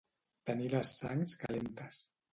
Tenir les sangs calentes.